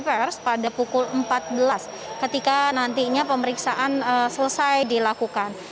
pers pada pukul empat belas ketika nantinya pemeriksaan selesai dilakukan